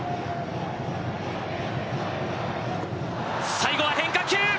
最後は変化球！